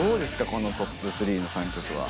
このトップ３の３曲は。